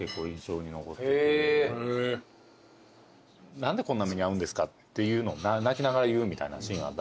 「何でこんな目に遭うんですか」っていうのを泣きながら言うみたいなシーンあったんすよ。